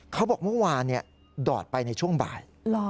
เขาบอกเมื่อวานดอดไปในช่วงบ่าย